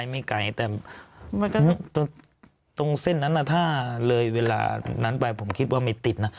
ไม่ไกลแต่ตรงเส้นนั้นถ้าเลยเวลานั้นไปผมคิดว่าไม่ติดนะ